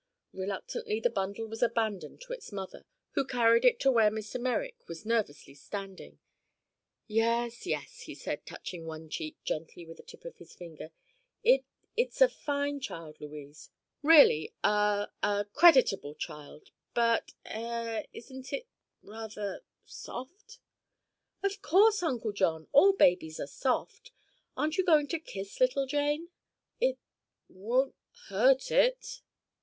Reluctantly the bundle was abandoned to its mother, who carried it to where Mr. Merrick was nervously standing. "Yes, yes," he said, touching one cheek gently with the tip of his finger. "It—it's a fine child, Louise; really a—a—creditable child. But—eh—isn't it rather—soft?" "Of course, Uncle John. All babies are soft. Aren't you going to kiss little Jane?" "It—won't—hurt it?"